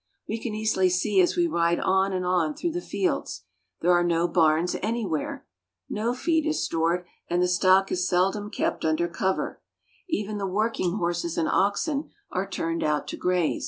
'' We can easily see as we ride on and on through the fields There are no barns anywhere ! No feed is stored, and the stock is seldom kept under cover. Even the work ing horses and oxen are turned out to graze.